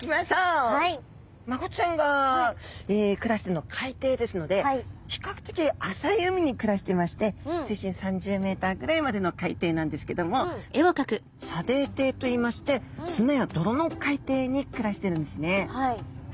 マゴチちゃんが暮らしているのは海底ですので比較的浅い海に暮らしていまして水深３０ｍぐらいまでの海底なんですけども砂泥底といいまして砂や泥の海底に暮らしてるんですね。